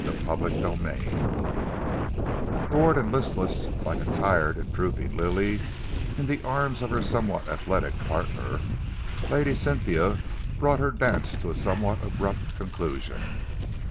CHAPTER XXVI Bored and listless, like a tired and drooping lily in the arms of her somewhat athletic partner, Lady Cynthia brought her dance to a somewhat abrupt conclusion.